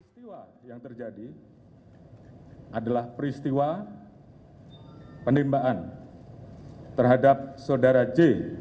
peristiwa yang terjadi adalah peristiwa penembakan terhadap saudara j